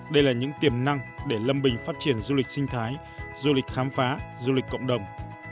đây là những tiềm năng để lâm bình phát triển du lịch sinh thái du lịch khám phá du lịch cộng đồng